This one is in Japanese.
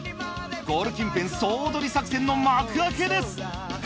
ゴール近辺総取り作戦の幕開けです。